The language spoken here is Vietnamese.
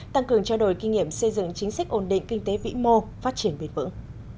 tăng cường trao đổi kinh nghiệm xây dựng chính sách ổn định kinh tế vĩ mô phát triển bền vững